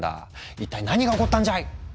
一体何が起こったんじゃい！